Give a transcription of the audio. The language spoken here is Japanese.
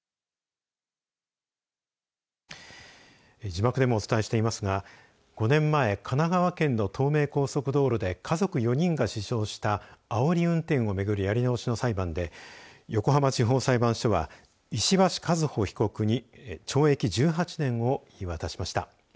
字幕でもお伝えしていますが５年前、神奈川県の東名高速道路で家族４人が死傷したあおり運転を巡るやり直しの裁判で横浜地方裁判所は石橋和歩被告に懲役１８年を言い渡しました。